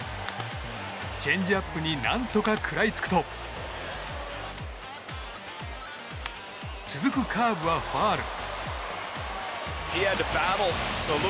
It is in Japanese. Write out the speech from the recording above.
チェンジアップに何とか食らいつくと続くカーブはファウル。